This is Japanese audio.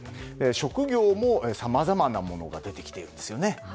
職業もさまざまなものが出てきているんですね。